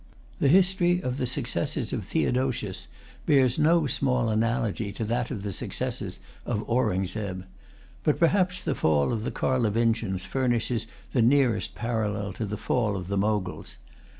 The history of the successors of Theodosius bears no small analogy to that of the successors of Aurungzebe. But perhaps the fall of the Carlovingians furnishes the nearest parallel to the fall of the Moguls.